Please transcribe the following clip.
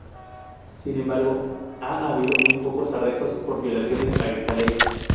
Sin embargo, ha habido muy pocos arrestos por violaciones a esta ley.